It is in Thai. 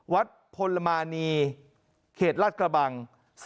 ๓วัตรผลมาณีเขตรัสกระบัง